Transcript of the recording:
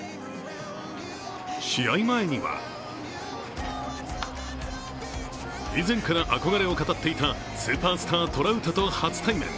試合前には以前から憧れを語っていたスーパースター・トラウトと初対面。